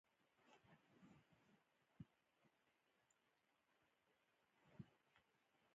د لمر د سوځیدو لپاره باید څه شی په مخ ووهم؟